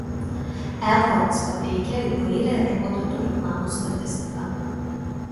AdWords pateikia įvairią rodytų reklamų statistiką.